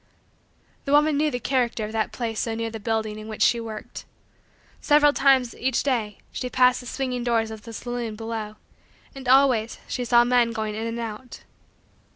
The woman knew the character of that place so near the building in which she worked. Several times, each day, she passed the swinging doors of the saloon below and, always, she saw men going in and out.